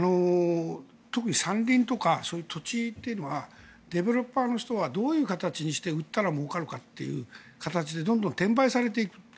特に山林とかそういう土地というのはデベロッパーの人たちはどのような形にして売ったらもうかるかという形でどんどん転売されている。